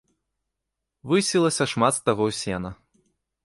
Высілася шмат стагоў сена.